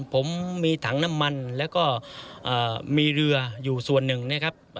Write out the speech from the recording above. ผมมีถังน้ำมันแล้วก็มีเรืออยู่ส่วนหนึ่งนะครับ